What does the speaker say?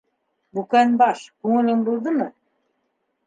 Бүкән баш, күңелең булдымы?